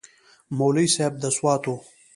مولوي صاحب د سوات و.